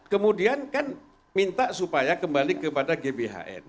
kemudian kan minta supaya kembali kepada gbhn